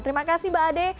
terima kasih mbak ade